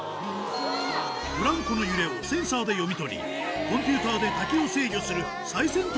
ブランコの揺れをセンサーで読み取りコンピューターで滝を制御する最先端